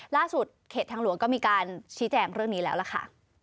เขตทางหลวงก็มีการชี้แจงเรื่องนี้แล้วล่ะค่ะ